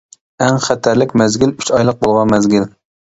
ئەڭ خەتەرلىك مەزگىل ئۈچ ئايلىق بولغان مەزگىل.